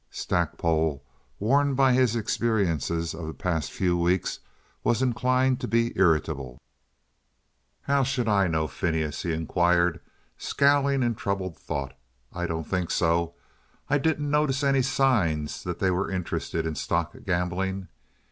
Stackpole, worn by his experiences of the past few weeks, was inclined to be irritable. "How should I know, Phineas?" he inquired, scowling in troubled thought. "I don't think so. I didn't notice any signs that they were interested in stock gambling.